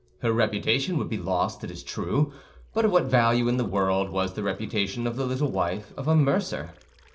Her reputation would be lost, it is true; but of what value in the world was the reputation of the little wife of a mercer?